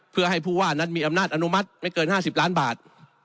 เพื่อให้ผู้ว่านั้นมีอำนาจอนุมัติไม่เกิน๕๐ล้านบาท